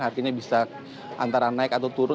artinya bisa antara naik atau turun